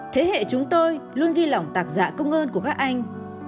thế hệ chúng tôi luôn ghi lỏng tạc giả công ơn của các anh